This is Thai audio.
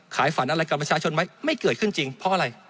ฝันอะไรกับประชาชนไหมไม่เกิดขึ้นจริงเพราะอะไร